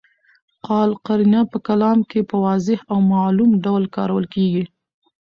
قال قرینه په کلام کي په واضح او معلوم ډول کارول کیږي.